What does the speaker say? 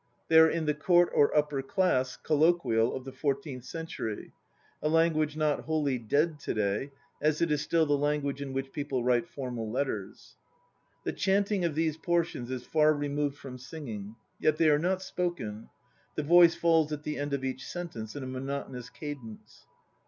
They are in the Court or upper class colloquial of the 14th century, a language not wholly dead to day, as it is still the language in which people write formal letters. The chanting of these portions is far removed from singing; yet they are not "spoken." The voice falls at the end of each sentence in a monotonous cadence.